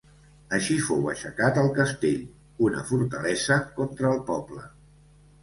Així fou aixecat el castell, una fortalesa contra el poble.